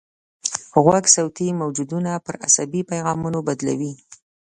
غوږ صوتي موجونه پر عصبي پیغامونو بدلوي.